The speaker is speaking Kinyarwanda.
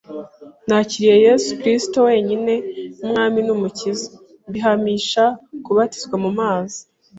Nakiriye Yesu Kristo wenyine nk’Umwami n’Umukiza, mbihamisha kubatizwa mu mazi.